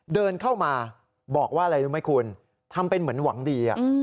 เดินเข้ามาบอกว่าอะไรรู้ไหมคุณทำเป็นเหมือนหวังดี